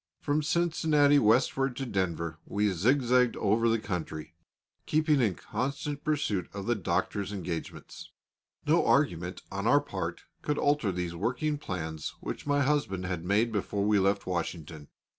From Cincinnati westward to Denver, we zigzagged over the country, keeping in constant pursuit of the Doctor's engagements. No argument on our part could alter these working plans which my husband had made before we left Washington.